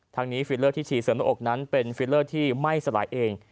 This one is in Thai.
ทั้งนี้ฟิลเลอร์ที่ฉี่เสริมหน้าอกนั้นเป็นฟิลเลอร์ที่ไม่สลายเอง